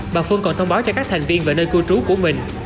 bà phương còn thông báo cho các thành viên về nơi cư trú của mình